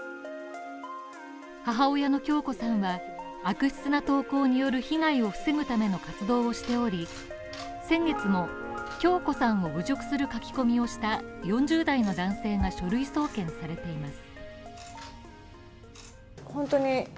母親の響子さんは悪質な投稿による被害を防ぐための活動をしており先月も響子さんを侮辱する書き込みをした４０代の男性が書類送検されています。